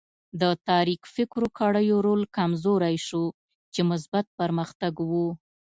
د تاریک فکرو کړیو رول کمزوری شو چې مثبت پرمختګ و.